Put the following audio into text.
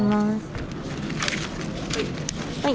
はい。